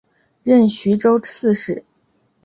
任徐州刺史。